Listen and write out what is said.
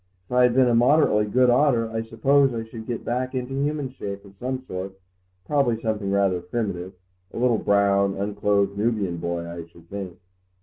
If I had been a moderately good otter I suppose I should get back into human shape of some sort; probably something rather primitive—a little brown, unclothed Nubian boy, I should think."